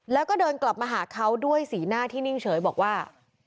แล้วก็เดินกลับมาหาเขาด้วยสีหน้าที่นิ่งเฉยบอกว่า